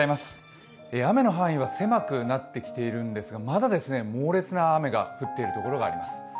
雨の範囲は狭くなってきているんですがまだ猛烈な雨が降っている所があります。